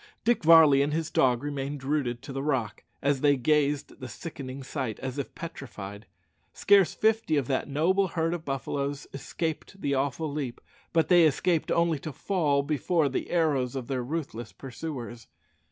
Dick Varley and his dog remained rooted to the rock, as they gazed at the sickening sight, as if petrified. Scarce fifty of that noble herd of buffaloes escaped the awful leap, but they escaped only to fall before the arrows of their ruthless pursuers.